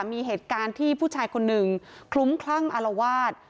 มีเหตุการณ์ที่ผู้ชายคนหนึ่งคลุ้มคลั่งอารวาส